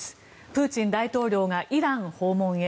プーチン大統領がイラン訪問へ。